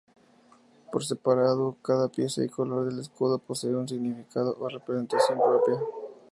Por separado, cada pieza y color del escudo posee un significado o representación propia.